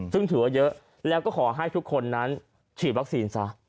ซึ่งถือว่าเยอะแล้วก็ขอให้ทุกคนนั้นฉีดวัคซีนซะ